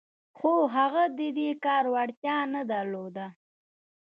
خو هغه د دې کار وړتیا نه درلوده